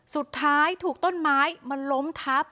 สุดท้ายถูกต้นไม้มันล้มทับ